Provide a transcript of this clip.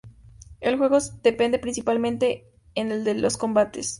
El juego se depende principalmente en el los combates.